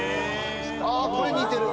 ああこれ似てる。